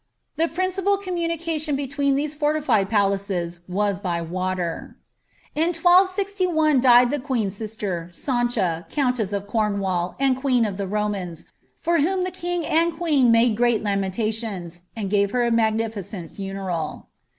The principal communication be ■ these forliJied palaces was by water. I^ISfll died the queen's sister, San cha countess of Cornwall and ■ of the Romans, for whom the king and queen made greet lamenia h and gave her a mttgniltcenl funeral.